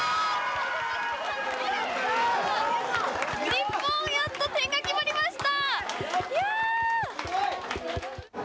日本、やっと点が決まりました！